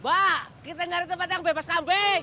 mbak kita gak ada tempat yang bebas kambing